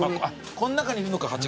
この中にいるのか蜂が。